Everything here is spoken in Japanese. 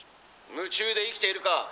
「夢中で生きているか？」。